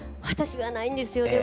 私はないんですよ。